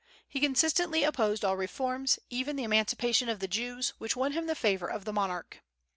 He consistently opposed all reforms, even the emancipation of the Jews, which won him the favor of the monarch.